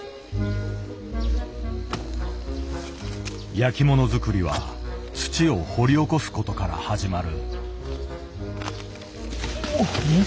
焼きもの作りは土を掘り起こすことから始まる。